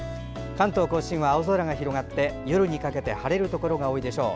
関東・甲信は青空が広がって夜にかけて晴れるところが多いでしょう。